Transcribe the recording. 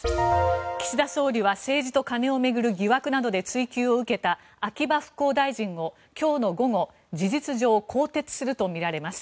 岸田総理は政治と金を巡る疑惑などで追及を受けた秋葉復興大臣を今日の午後事実上、更迭するとみられます。